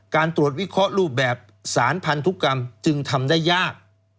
การตรวจวิเคราะห์รูปแบบสารพันธุกรรมจึงทำได้ยาก